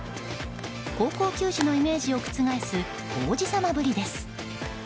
高校球児のイメージを覆す王子様ぶりです。